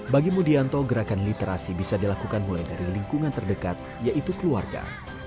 bagi mudianto gerakan literasi bisa dilakukan mulai dari lingkungan terdekat yaitu keluarga